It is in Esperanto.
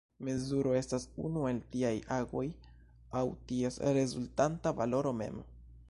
Mezuro estas unu el tiaj agoj aŭ ties rezultanta valoro mem.